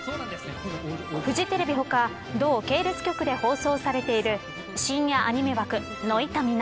フジテレビ他、同系列局で放送されている深夜アニメ枠ノイタミナ。